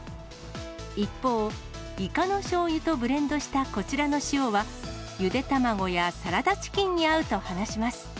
一方、いかのしょうゆとブレンドしたこちらの塩は、ゆで卵やサラダチキンに合うと話します。